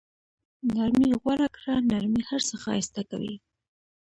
نرمي غوره کړه، نرمي هر څه ښایسته کوي.